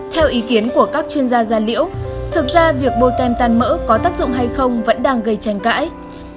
theo ý kiến của các chuyên gia da liễu thực ra việc bôi kem tan mỡ có tác dụng hay không vẫn đang gây tranh cãi